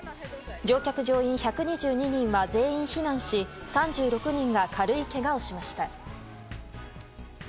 乗員・乗客１２２人は全員避難し３６人が軽いけがをしました。